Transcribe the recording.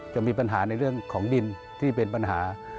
จะมีปัญหาในเรื่องของดินที่เป็นปัญหา